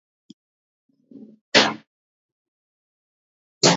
ერთვის იორს მარცხნიდან.